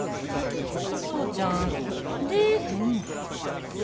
お父ちゃん出ぇへんねん。